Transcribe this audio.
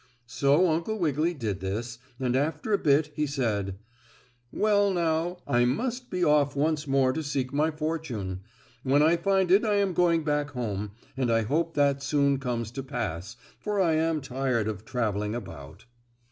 So Uncle Wiggily did this, and after a bit he said: "Well, now, I must be off once more to seek my fortune. When I find it I am going back home, and I hope that soon comes to pass, for I am tired of traveling about."